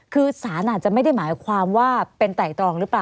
คือสารอาจจะไม่ได้หมายความว่าเป็นไต่ตรองหรือเปล่า